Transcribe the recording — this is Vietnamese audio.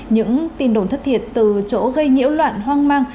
những tin đồn thất thiệt từ chỗ gây nhiễu loạn hoang mang